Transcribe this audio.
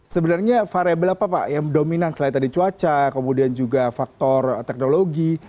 sebenarnya variable apa pak yang dominan selain tadi cuaca kemudian juga faktor teknologi